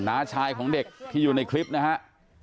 น้าชายของเด็กที่อยู่ในคลิปนะฮะ